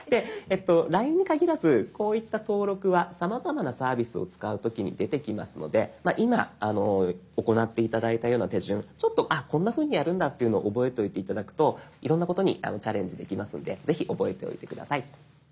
「ＬＩＮＥ」に限らずこういった登録はさまざまなサービスを使う時に出てきますので今行って頂いたような手順ちょっと「あっこんなふうにやるんだ」っていうのを覚えておいて頂くといろんなことにチャレンジできますのでぜひ覚えておいて下さい。